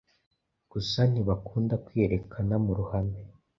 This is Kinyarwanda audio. gusa ntibakunda kwiyerekana muruhame